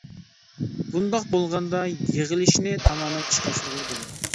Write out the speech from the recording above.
بۇنداق بولغاندا يىغىلىشنى تامامەن ئىشقا ئاشۇرغىلى بولىدۇ.